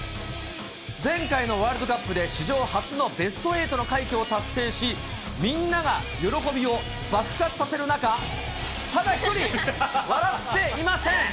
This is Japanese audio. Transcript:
前回のワールドカップで、史上初のベスト８の快挙を達成し、みんなが喜びを爆発させる中、ただ１人、笑っていません。